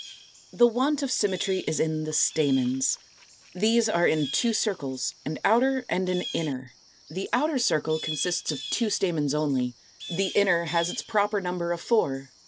The want of symmetry is in the stamens. These are in two circles, an outer and an inner. The outer circle consists of two stamens only; the inner has its proper number of four.